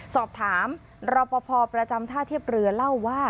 สอบถามรอปภประจำท่าเทียบเรือเล่าว่า